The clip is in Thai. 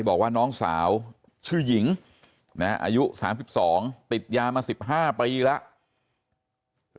บอกว่าน้องสาวชื่อหญิงอายุ๓๒ติดยามา๑๕ปีแล้ว